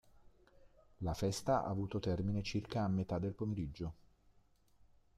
La festa ha avuto termine circa a metà del pomeriggio.